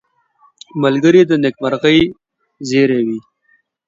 ملګری د نېکمرغۍ زېری وي